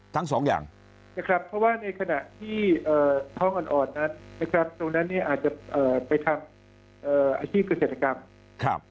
ทั้ง๒อย่างเพราะว่าในขณะที่ท้องอ่อนนั้นตรงนั้นอาจจะไปทำอาชีพเกษตรกรรม